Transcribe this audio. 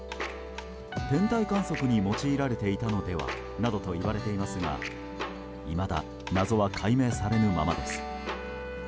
天体観測に用いられていたのではなどといわれていますがいまだ謎は解明されぬままです。